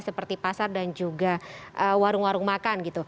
seperti pasar dan juga warung warung makan gitu